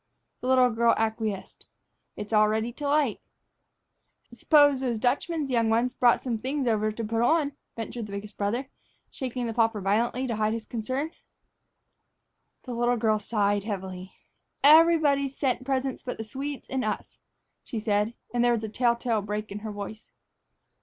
The little girl acquiesced. "It's all ready to light." "S'pose those Dutchman's young ones brought some things over to put on," ventured the biggest brother, shaking the popper violently to hide his concern. The little girl sighed heavily. "Everybody's sent presents but the Swedes and us," she said, and there was a telltale break in her voice.